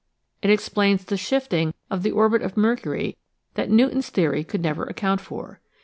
It explains the shifting of the orbit of Mercury that Newton's theory could never account for.